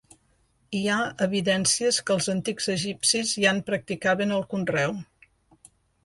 Hi ha evidències que els antics egipcis ja en practicaven el conreu.